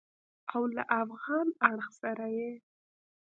او له افغان اړخ سره یې